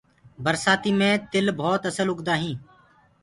برسآتي مي تِل ڀوت اسل اُگدآ هينٚ۔